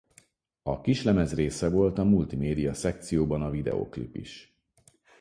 A kislemez része volt a multimédia szekcióban a videoklip is.